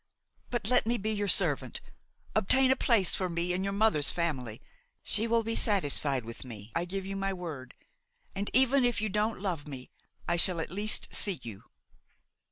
But let me be your servant. Obtain a place for me in your mother's family. She will be satisfied with me, I give you my word; and, even if you don't love me, I shall at least see you."